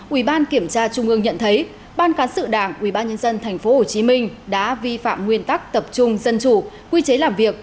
ủy ban kiểm tra trung ương nhận thấy ban cán sự đảng ubnd tp hcm đã vi phạm nguyên tắc tập trung dân chủ quy chế làm việc